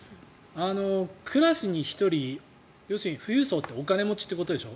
クラスに１人要するに富裕層ってお金持ちってことでしょ。